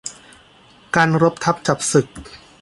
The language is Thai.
การรบทัพจับศึก